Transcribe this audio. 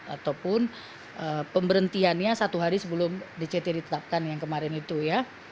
ataupun pemberhentiannya satu hari sebelum dct ditetapkan yang kemarin itu ya